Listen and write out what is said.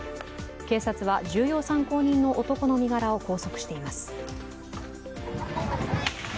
警察は重要参考人の男の身柄を拘束しています。